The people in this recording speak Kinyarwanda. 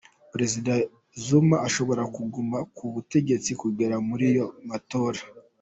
Perezida Zuma ashobora kuguma ku butegetsi kugera muri ayo matora.